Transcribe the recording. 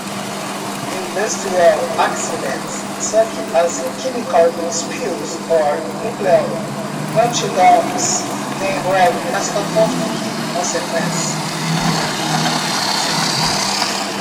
Industrial accidents, such as chemical spills or nuclear meltdowns, can have catastrophic consequences.